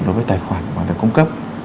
đối với tài khoản và được cung cấp